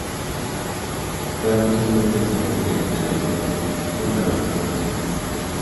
Fueron justamente El Santo y El Gladiador quienes protagonizaron ese cartel.